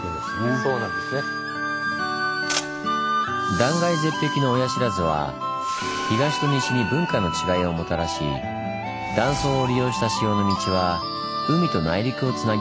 断崖絶壁の親不知は東と西に文化の違いをもたらし断層を利用した塩の道は海と内陸をつなぎました。